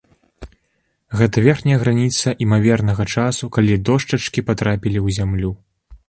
Гэта верхняя граніца імавернага часу, калі дошчачкі патрапілі ў зямлю.